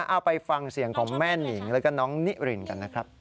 เอาไปฟังเสียงของแม่นิงแล้วก็น้องนิรินกันนะครับ